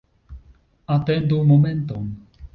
Atendu momenton.